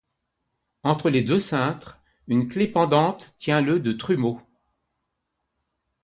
Entre les deux cintres, une clef pendante tient lieu de trumeau.